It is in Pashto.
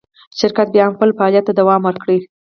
شرکت یې بیا هم خپل فعالیت ته دوام ورکړ.